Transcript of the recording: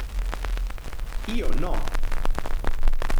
Io no!